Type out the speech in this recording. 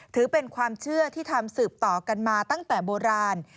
ถือเป็นความเชื่อที่ทำสืบต่อกันมาตั้งแต่โบราณ